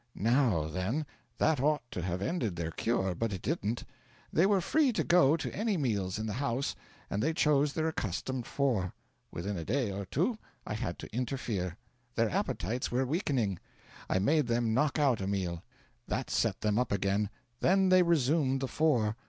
Now, then, that ought to have ended their cure, but it didn't. They were free to go to any meals in the house, and they chose their accustomed four. Within a day or two I had to interfere. Their appetites were weakening. I made them knock out a meal. That set them up again. Then they resumed the four.